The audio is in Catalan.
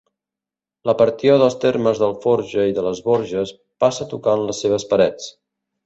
La partió dels termes d'Alforja i de les Borges passa tocant les seves parets.